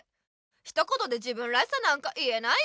ひと言で自分らしさなんか言えないよ。